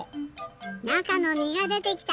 なかのみがでてきた！